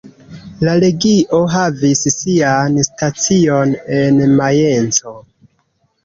La legio havis sian stacion en Majenco.